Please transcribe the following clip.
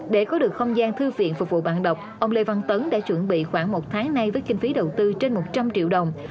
để có được không gian thư viện phục vụ bạn đọc ông lê văn tấn đã chuẩn bị khoảng một tháng nay với kinh phí đầu tư trên một trăm linh triệu đồng